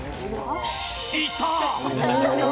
いた！